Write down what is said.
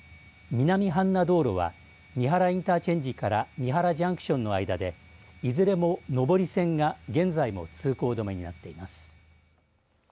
南阪奈道路は美原インターチェンジから美原ジャンクションの間でいずれも上り線が現在も通行止めになっています。